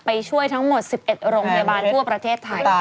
ช่วยทั้งหมด๑๑โรงพยาบาลทั่วประเทศไทย